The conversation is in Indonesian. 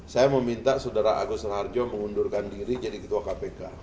saya meminta saudara agus raharjo mengundurkan diri jadi ketua kpk